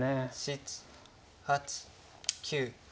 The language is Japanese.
７８９。